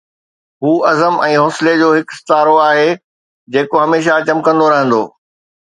هو عزم ۽ حوصلي جو هڪ استعارو آهي، جيڪو هميشه چمڪندو رهندو.